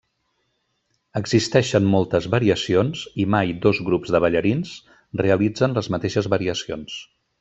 Existeixen moltes variacions i mai dos grups de ballarins realitzen les mateixes variacions.